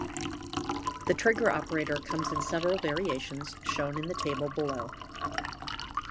The trigger operator comes in several variations, shown in the table below.